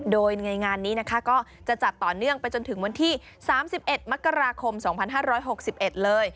โดยในงานนี้นะคะก็จะจัดต่อเนื่องไปจนถึงวันที่๓๑มกราคม๒๕๖๑เลย